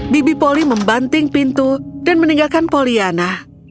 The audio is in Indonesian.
bibi polly membanting pintu dan meninggalkan pollyanna